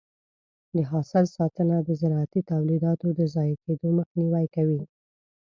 د حاصل ساتنه د زراعتي تولیداتو د ضایع کېدو مخنیوی کوي.